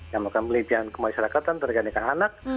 yang akan melintihan kemasyarakatan tergantikan anak